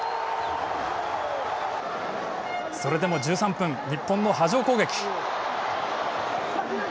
それでも１３分日本の波状攻撃。